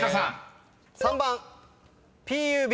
３番「ＰＵＢ」